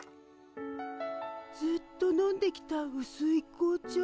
ずっと飲んできたうすい紅茶。